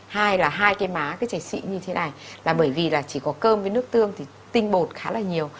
hai là hai cái má cái chảy xị như thế này là bởi vì là chỉ có cơm với nước tương thì tinh bột khá là nhiều